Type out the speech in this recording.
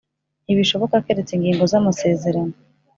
Ntibishoboka Keretse Ingingo Z Amasezerano